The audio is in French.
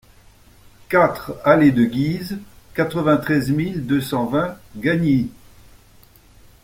quatre allée de Guise, quatre-vingt-treize mille deux cent vingt Gagny